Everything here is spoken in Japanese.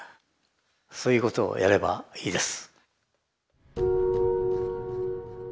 そういうことをやればいいです。